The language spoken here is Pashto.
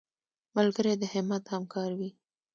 ملګری د همت همکار وي